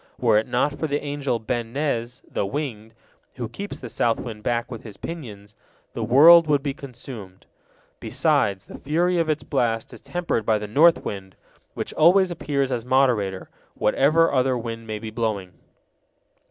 Were it not for the angel Ben Nez, the Winged, who keeps the south wind back with his pinions, the world would be consumed. Besides, the fury of its blast is tempered by the north wind, which always appears as moderator, whatever other wind may be blowing.